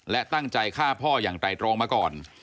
และตั้งใจฆ่าพ่ออย่างไตรตรองมาก่อน